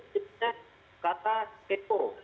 itu punya kata kepo